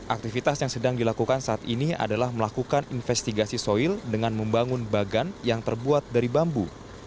aktivitas yang sedang dilakukan saat ini adalah melakukan investigasi soil dengan membangun bagan yang terbuat dari bambu